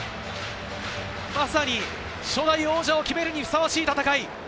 まさに初代王者を決めるにふさわしい戦い。